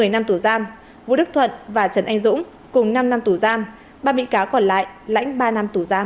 năm tù giam vũ đức thuận và trần anh dũng cùng năm năm tù giam ba bị cá còn lại lãnh ba năm tù giam